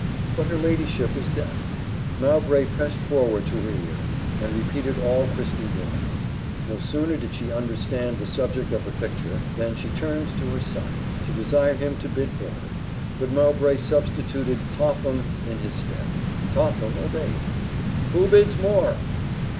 But her ladyship was deaf. Mowbray pressed forward to her ear, and repeated all Christie roared. No sooner did she understand the subject of the picture than she turned to her son, to desire him to bid for her; but Mowbray substituted Topham in his stead: Topham obeyed. "Who bids more?"